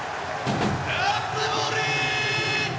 熱盛！